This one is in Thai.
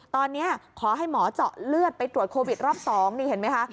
ตอนนี้ขอให้หมอเจาะเลือดไปตรวจโควิดรอบ๒นี่เห็นไหมคะ